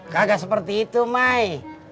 kagak seperti itu mai